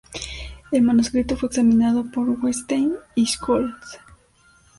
El manuscrito fue examinado por Wettstein y Scholz.